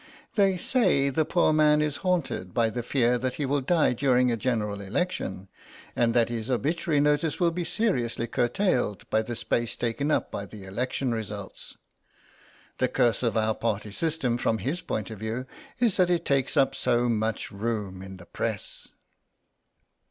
"They say the poor man is haunted by the fear that he will die during a general election, and that his obituary notices will be seriously curtailed by the space taken up by the election results. The curse of our party system, from his point of view, is that it takes up so much room in the press."